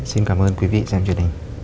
xin cảm ơn quý vị xem chương trình